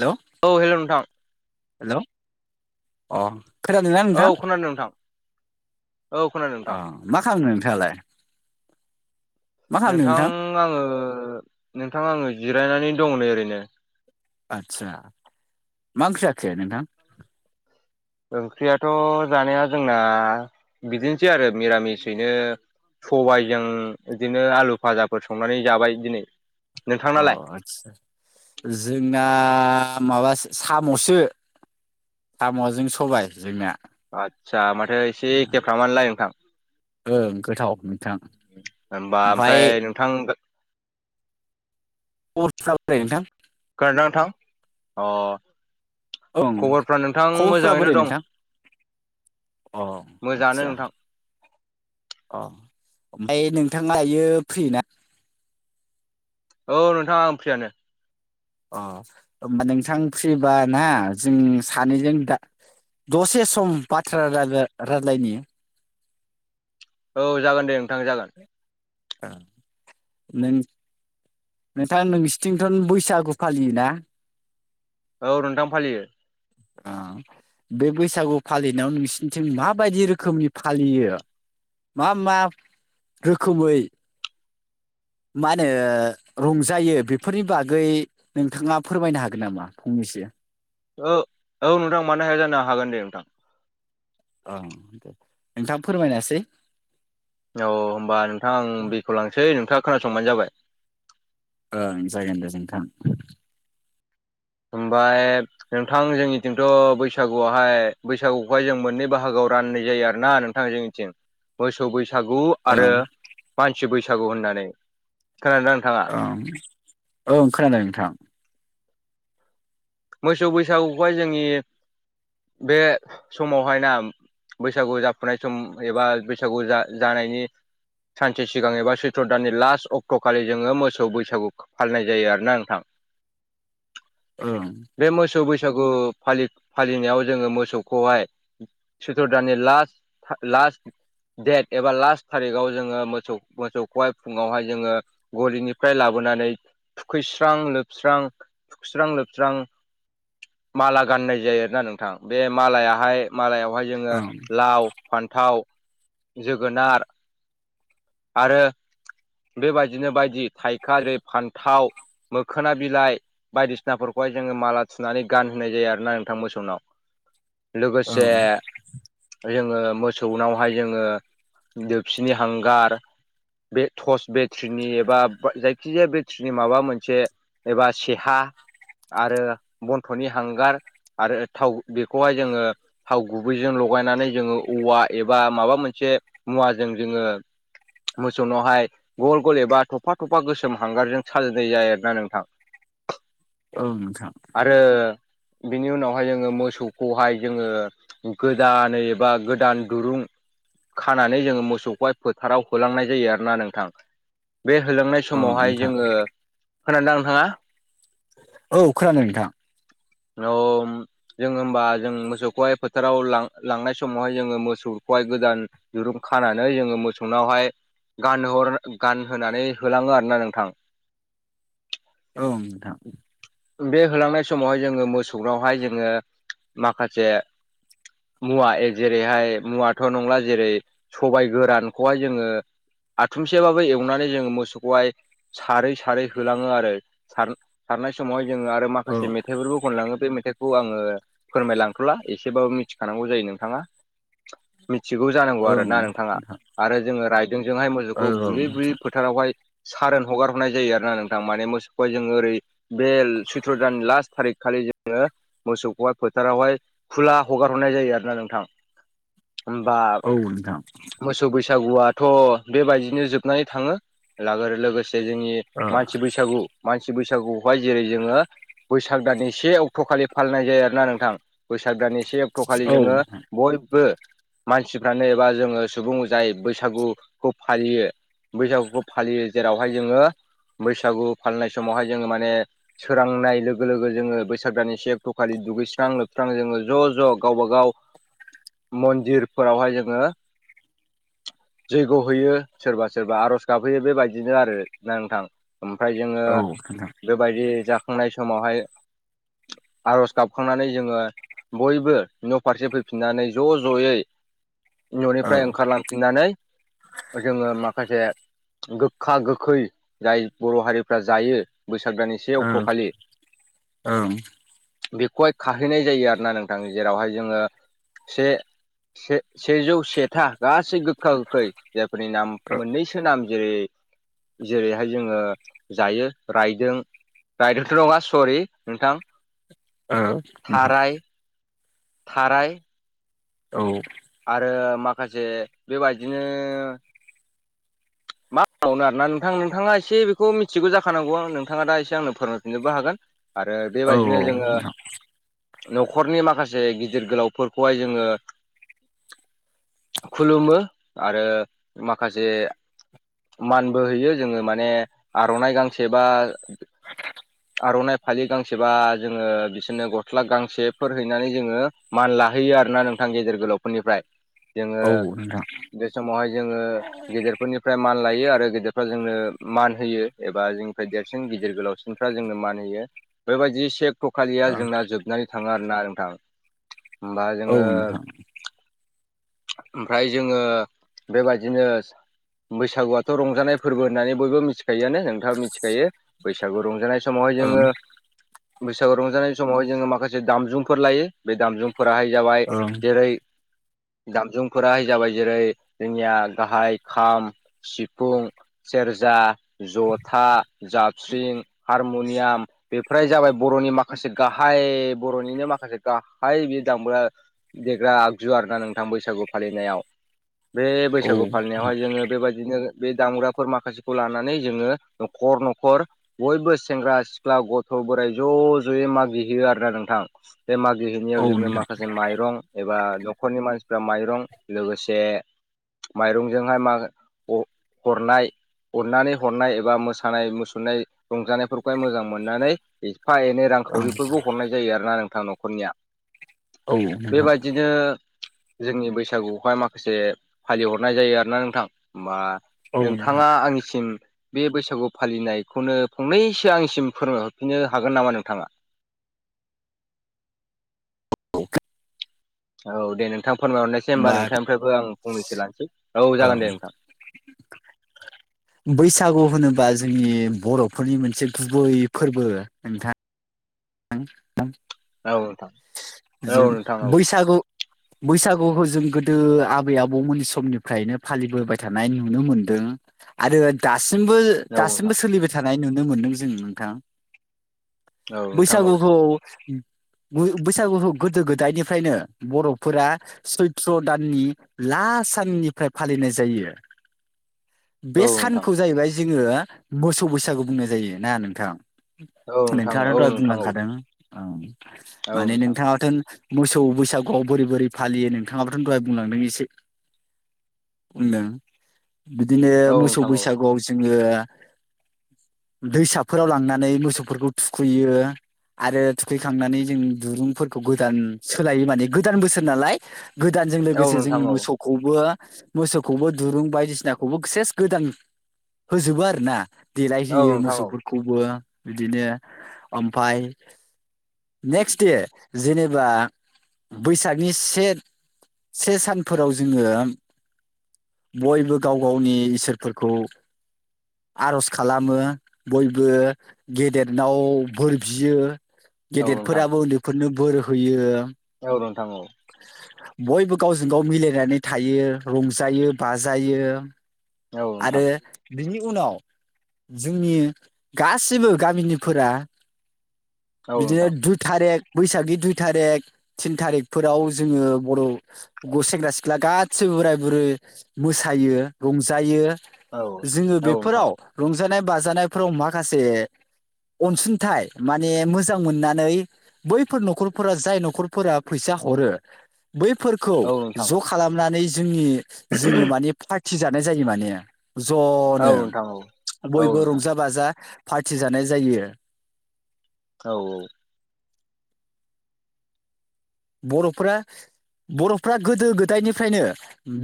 हेल' औ हेल' नोंथां। हेल' अ खोनादों ना औ नोंथां? खोनादों नोंथां औ खोनादों नोंथां अ' मा खालामनो नोंथाङालाय? मा खालामदों नोंथां आङो नोंथां आङो जिरायनानै दङ नै ओरैनो। आदसा मा ओंख्रि जाखो नोंथां? ओंख्रियाथ' जानाया जोंना बिदिनोसै आरो मिरामिसयैनो सबायाइजों बिदिनो आलु फाजाफोर संनानै जाबाय दिनै। नोंथांनालाय अ' आदसा जोंना माबो साम'सो। साम'जों सबाय जोंनिया। आदसा माथो एसे एखेफ्रामानोलाय नोंथां। ओं गोथाव नोंथां। होनबा ओमफ्राय नोंथां अ [unintelligible] खोनादोंना नोंथां? अ' ओं खबरफ्रा नोंथां खबरफ्रा मोजाङैनो बोरै दं? नोंथां अ मोजाङानो आतसा नोंथां अ' ओमफ्राय नोंथाङा दायो फ्रिना? औ नोंथां आङो फ्रियानो। अ' होमबा नोंथां फ्रिबा ना जों सानैजों दा दसे सम बाथ्रा रा- रा-रायज्लायनि। औ जागोन दे नोंथां जागोन। नों नोंथां नोंसिनिथिंथ' बैसागु फालियोना? औ नोंथां फालियो। आ बे बैसागु फालिनायाव नोंसिनिथिं माबायदि रोखोमनि फालियो? मा मा रोखोमै मा होनो रंजायो बेफोरनि बागै नोंथाङा फोरमायनो हागोन नामा फंनैसो? औ औ नोंथां मानो हाया जानो हागोन दे नोंथां। दे नोंथां फोरमायनोसै - औ होनोमबा नोंथां आं बेखेव लांसै नोंथाङा खोनासंबानो जाबाय। ओं जागोन दे नोंथां। ओमफ्राय नोंथां जोंनिथिंथ' बैसागुआवहाय बैसागुखौहाय जों मोननै बाहागोआव राननाय जायो आरोना नोंथां। जोंनिथिं मोसौ बैसागु आरो ओं मानसि बैसागु होननानै खोनादोंना नोंथाङा? ओं ओ खोनादों नोंथां। मोसौ बैसागुखौहाय जोंनि बे समावहाय ना बैसागु जाफुनाय सम एबा बैसागु जा जानायनि सानसे सिगां एबा सैत्र' दाननि लास्ट अक्ट'खालि जोङो मोसौ बैसागु खौ फालिनाय जायो आरोना नोंथां। ओं। बे मोसौ बैसागु फालि-फालिनायाव जोङो मोसौखौहाय सैथ्र दाननि लास्ट लास्ट डेट एबा लास्ट थारिखाव जोङो मोसौ मोसौखौहाय फुङावहाय जोङो गलिनिफ्राय लाबोनानै थुखैस्रां लोबस्रां, थुखैस्रां लोब स्रां माला गाननाय जायो आरोना नोंथां। बे मालायाहाय मालायावहाय जोङो ओं लाव, फान्थाव, जोगोनार आरो बेबायदिनो बायदि थाइखा जेरै फान्थाव मोखोना बिलाइ बायदिसिना नाफोरखौहाय जोङो माला थुनानै गान होनाय जायो आरोना नोंथां मोसौनाव। ओं लोगोसे जोङो मोसौनावहाय जोङो दोबसिनि हांगार बे टर्स बेट्रिनि एबा जायखिजाया बेट्रिनि माबा मोनसे एबा सेहा आरो बन्थ'नि हांगार आरो थाव बेखौहाय जोङो थाव गुबैजों लगायनानै जोङो औवा एबा माबा मोनसे मुवाजों जोङो मोसौनावहाय गल गल एबा थफा थफा गोसोम हांगारजों साजायनाय जायो आरोना नोंथां। ओं नोंथां। आरो बिनि उनावहाय जोङो मोसौखौहाय जोङो गोदानै एबा गोदान दुरुं खानानै जोङो मोसौखौहाय फोथाराव होलांनाय जायो आरोना नोंथां। बे होलांनाय बे ओं समावहाय नोंथां जोङो, खोनादों ना नोंथाङा? औ खोनादों नोंथां। [unintelligible] जोङो होमबा जों मोसौखौहाय फोथाराव लां-लांनाय समावहाय जोङो मोसौखौहाय गोदान दिरुं खानानै जोङो मोसौनावहाय गानहर गानहोनानै होलाङो आरोना नोंथां। ओं नोंथां। बे होलांनाय समावहाय जोङो मोसौनावहाय जोङो माखासे मुवा ए जेरैहाय मुवाथ' नंला जेरै सबाय गोरानखौहाय जोङो आथुमसेबाबो एवनानै जोङो मोसौखौहाय सारै सारै होलाङो आरो सार सारनाय समावहाय जोङो आरो औ माखासे मेथाइफोरखौ खनलाङो बे मेथाइखौ आङो फोरमायलांथ'ला, एसेबाबो मिथिखानांगौ जायो नोंथाङा। मिथिगौ जानांगौ ओं आरोना नोंथाङा। नोंथां आरो जोङो रायदोंजोंहाय औ मोसौखौ औ बुयै बुयै नोंथां फो फोथारावहाय सारोन हगार हरनाय जायो आरोना नोंथां माने मोसौखौहाय जोङो ओरै बे सैथ्र' दान लास्ट थारिख खालि जोङो मोसौखौहाय फोथारावहाय खुला हगार हरनाय जायो आरोना नोंथां। होमबा औ नोंथां मोसौ मोसौ बैसागुआथ' बेबायदिनो जोबनानै थाङो लागोर लोगोसे जोंनि ओ मानसि बैसागु, मानसि बैसागु खौहाय जेरै जोङो बैसाग दाननि से अक्ट' खालि फालिनाय जायो आरोना नोंथां, बैसाग दाननि से अक्ट'खालि औ जोङो नोंथां बयबो मानसिफ्रानो एबा जोङो सुबुं जाय बैसागुखौ फालियो बैसागुखौ फालियो जेरावहाय जोङो बैसागु फालिनाय समावहाय जोङो माने सोरांनाय लोगो लोगो जोङो बैसाग दाननि से एक्ट'खालि दुगैस्रां लोबस्रां जोङो ज' ज' गावबा गाव मन्दिरफोरावहाय जोङो जैग्य' होयो सोरबा सोरबा आर'ज गाबहैयो बेबायदिनो आरो ना नोंथां। ओमफ्राय जोङो औ नोंथां बेबायदि जाखांनाय समावहाय आर'ज गाबखांनानै जोङो बयबो न' फारसे फैफिननानै ज' ज'यै न'निफ्राय ओंखारलां फिनानै जोङो माखासे गोखा गोखै जाय बर' हारिफ्रा जायो। बोसाग दाननि से अक्ट' ओ खालि। बेखौहाय खाहैनाय जायो आरो ना नोंथां जेरावहाय जोङो से से सेजौ सेथा गासै गोग गोखा गोखै जायफोरनि नाम मोननैसो नाम जेरै जेरैहाय जोङो जायो रायदों रायदोंथ' नङा सरि नोंथां औ नोंथां थाराय थाराय औ आरो माखासे बेबायदिनो मा मावनो आरोना नोंथां नोंथाङा एसे बेखौ मिथिगौ जाखानांगौ आं नोंथाङा दा एसे आंनो फोरोंफिननोबो हागोन आरो बेबायदिनो जोङो ओं न'खरनि माखासे गिदिर गोलावफोरखौहाय जोङो खुलुमो आरो माखासे मानबो हैयो जोङो माने आर'नाइ गांसे बा आर'नाइ फालि गांसेबा जोङो बिसोरनो गस्ला गांसेफोर हैनानै जोङो मान लाहैयो आरोना नोंथां गेजेर गोलावफोरनिफ्राय जोङो ओ नोंथां बे समावहाय जोङो गेदेरफोरनिफ्राय मान लायो आरो गेदेरफ्रा जोंनो मान होयो एबा जोंनिफ्राय देरसिन गिदिर गोलावसिन [unintelligible] जोंनो मान होयो बेबायदि सेक थ'खालिया औ जोंना जोबनानै थाङो आरोना नोंथां ओमबा औ जोङो नोंथां ओमफ्राय जोङो बेबायदिनो बैसागुआथ' रंजानाय फोरबो होननानै बयबो मिथि खायोआनो नोंथांआबो मिथिखायो बैसागु रंजानाय समावहाय औ जोङो नोंथां बैसागु रंजानाय समावहाय जोङो माखासे दामजुंफोर लायो बे दामजुंफोराहाय जाबाय जेरै दामजुंफोरा जाबाय जेरै जोंनिया गाहाय खाम, सिफुं सेरजा जथा जाबस्रिं हारमुनियाम बेफोरहाय जाबाय बर'नि माखासे गाहाय बर'निनो माखासे गाहाय बे दामग्रा देग्रा आग जु आरो ना नोंथां बैसागु फालिनायाव बे बैसागु ओं फालिनायावहाय जोङो बेबायदिनो बे दामग्राफोर माखासेखौ लानानै जोङो न'खर न'खर बयबो सेंग्रा सिख्ला गथ' बोराइ ज' ज'यै मागिहैयो आरोना नोंथां बे मागिहैनायाव ओं औ जोङो नोंथां माखासे माइरं एबा न'खरनि मानसिफ्रा माइरं लोगोसे माइरंजोंहाय माग अ हरनाय अननानै हरनाय एबा मोसानाय मुसुरनाय रंजानायफोरखौहाय मोजां मोननानै एफा एनै रांखावरिफोरखौ हरनाय जायो आरो ना नोंथां न'खरनिया औ नोंथां बेबायदिनो जोंनि बैसागुखौहाय माखासे फालिहरनाय जायो आरोना नोंथां होमबा औ नोंथां नोंथाङा आंनि आंसिम बे बैसागु फालिनायखौनो फंनैसो आंनिसिम फोरमायहरफिननो हागोन नामा नोंथाङा? [unintelligible] औ दे नोंथां फोरमायहरनायसै होनोमबा बा नोंथांनिफ्रायबो आं फंनैसो लानोसै औ जागोन ओं दे नोंथां [inaudible] बैसागु होनोबा जोंनि बर'फोरनि मोनसे गुबै फोरबो नोंथां [unintelligible] औ नोंथां औ जों नोंथां औ बैसागु [inaudible] बैसागुखौ जों गोदो आबै आबौमोननि समनिफ्रायनो फालिबोबाय थानाय नुनो मोनदों। आरो दासिमबो दासिमबो नोंथां सोलिबाय थानाय नुनो मोनदों जों नोंथां औ बैसागुखौ बो-बैसागु गोदो गोदायनिफ्रायनो बर'फोरा सैत्र' दाननि लास साननिफ्राय फालिनाय जायो। [inaudible] बे नोंथां सानखौ जाहैबाय जोङो मोसौ बैसागु बुंनाय जायो ना नोंथां? औ नोंथां नोंथाङाथ' औ नोंथां औ नोंथां औ नोंथां औ दहाय नोंथां बुंलांखादों ओं माने नोंथाङाथ' मोसौ बैसागुआव बोरै बोरै फालियो नोंथाङाबोथ' दहाय बुंलांदों एसे बुंदों बिदिनो औ नोंथां औ नोंथां औ नोंथां औ नोंथां औ मोसौ नोंथां बैसागुआव जोङो दैसाफोराव लांनानै मोसौफोरखौ थुखैयो आरो थुखै खांनानै जों दुरुंफोरखौ गोदान सोलायो माने गोदान बोसोर नालाय गोदानजों लोगोसे जों मोसौखौबो मोसौखौबो दुरुं बायदिसिनाखौबो से सेस गोदान होजोबो आरोना, देलायहोयो मोसौफोरखौबो बिदिनो ओमफाय नेक्स्ट दे, जेनेबा बैसागनि से से सानफोराव जोङो बयबो गाव गावनि इसोरफोरखौ आर'ज खालामो बयबो गेदेरनाव बोर बियो। औ नोंथां गेदेरफोराबो उन्दैफोरनो बोर होयो। औ नोंथां औ। बयबो गावजों गाव मिलायनानै थायो रंजायो बाजायो आरो बिनि उनाव जोंनि गासिबो गामिनिफोरा औ बिदिनो दुइ थारिख बैसागि दुइ थारिख थिन थारिखफोराव जोङो बर' सेंग्रा सिख्ला गासिबो बोराय बुरै मोसायो रंजायो। जोङो नोंथां बेफोराव रंजानाय बाजानायफोराव माखासे अनसुंथाइ माने मोजां मोननानै बैफोर न'खरफोरा जाय न'खरफोरा फैसा हरो बैफोरखौ औ नोंथां ज' खालामनानै जोंनि जोङो माने थिजानाय जायो माने औ ज'नो नोंथां औ औ बयबो नोंथां रंजा बाजा पार्टि जानाय जायो। औ औ। बर'फ्रा बर'फ्रा गोदो गोदायनिफ्रायनो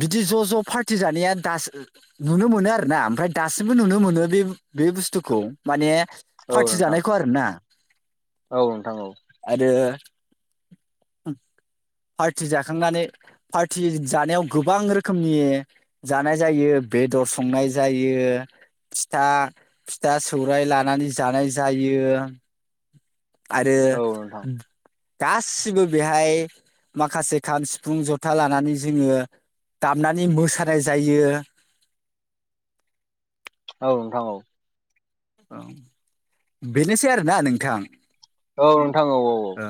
बिदि ज' ज' पार्टि जानाया दासो नुनो मोनो आरो ना ओमफ्राय दासिमबो नुनो मोनो बे बे बुस्थुखौ माने औ पार्टि नोंथां जानायखौ आरोना औ नोंथां औ आरो पार्टि जाखांनानै, पार्टि जानायाव गोबां रोखोमनि जानाय जायो बेदर संनाय जायो फिथा, फिथा सौराय लानानै जानाय जायो। [inaudible] आरो औ नोंथां गासिबो बेहाय माखासे खाम सिफुं जथा लानानै जोङो दामनानै मोसानाय जायो। औ नोंथां औ। औ बेनोसै आरोना नोंथां। औ नोंथां औ औ औ। ओ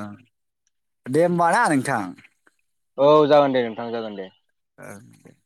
दे होमबा ना नोंथां। औ जागोन दे नोंथां जागोन दे। ओ